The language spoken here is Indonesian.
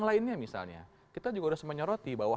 yang lainnya misalnya kita juga sudah semenyoroti bahwa